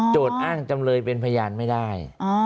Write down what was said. อ้างจำเลยเป็นพยานไม่ได้